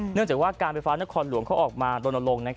เนื่องจากว่าการไฟฟ้านครหลวงเขาออกมารณรงค์